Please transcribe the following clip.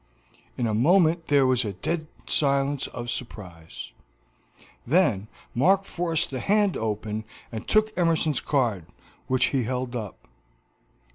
In a moment there was a dead silence of surprise; then Mark forced the hand open and took Emerson's card, which he held up.